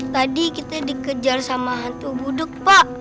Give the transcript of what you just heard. tadi kita dikejar sama hantu budeg pak